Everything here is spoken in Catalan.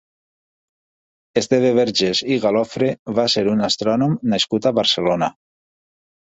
Esteve Vergés i Galofre va ser un astrònom nascut a Barcelona.